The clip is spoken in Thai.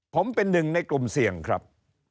ผมเป็นหนึ่งในกลุ่มเสี่ยงครับ